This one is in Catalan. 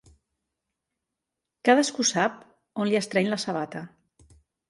Cadascú sap on li estreny la sabata.